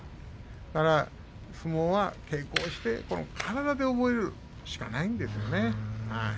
相撲は稽古して体で覚えるしかないんですよね。